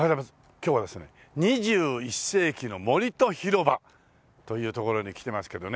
今日はですね２１世紀の森と広場という所に来てますけどね。